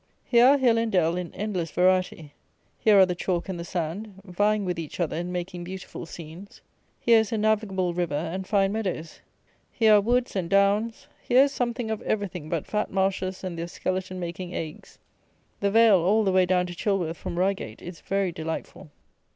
Here are hill and dell in endless variety. Here are the chalk and the sand, vieing with each other in making beautiful scenes. Here is a navigable river and fine meadows. Here are woods and downs. Here is something of everything but fat marshes and their skeleton making agues. The vale, all the way down to Chilworth from Reigate, is very delightful.